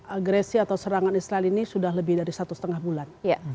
agresi atau serangan israel ini sudah lebih dari satu setengah bulan